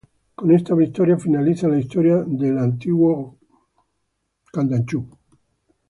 Con esta victoria finaliza la historia de antiguo Canaán.